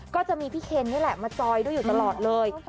ก็จะมีพี่เคนนี่แหละมาจอยด้วยอยู่ตลอดเลย